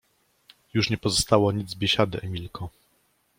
— Już nie pozostało nic z biesiady, Emilko.